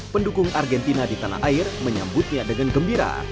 pendukung argentina di tanah air menyambutnya dengan gembira